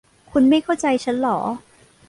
คุณไม่เข้าใจฉันหรอ